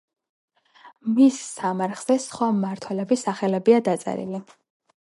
მის სამარხზე სხვა მმართველების სახელებია დაწერილი.